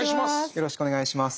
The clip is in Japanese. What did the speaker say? よろしくお願いします。